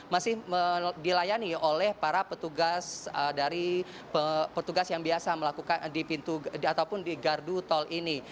masih dilayani oleh para petugas dari petugas yang biasa melakukan di pintu ataupun di gardu tol ini